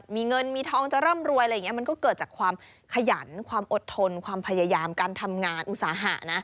มันก็เกิดจากความขยันความอดทนความพยายามการทำงานอุตสาหะนะ